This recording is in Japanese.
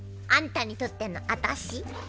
あんたにとってのあたし？